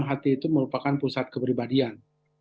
hati itu merupakan pusat kepribadian